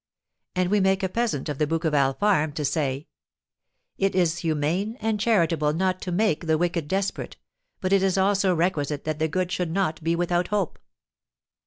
And we make a peasant of the Bouqueval farm to say: "It is humane and charitable not to make the wicked desperate, but it is also requisite that the good should not be without hope.